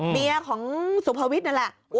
เมียของสุภวิทย์นั่นแหละ